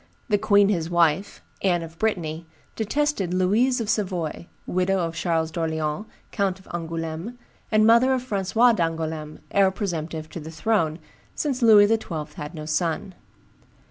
The queen his wife, Anne of Brittany, detested Louise of Savoy, widow of Charles d'Orleans, Count of Angouleme, and mother of Francis d'Angouleme, heir presumptive to the throne, since Louis XII. had no son.